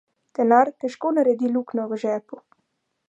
Denar težko naredi luknjo v žepu.